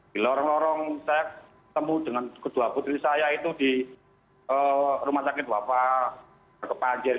di lorong lorong saya temu dengan kedua putri saya itu di rumah sakit bapak berkepancir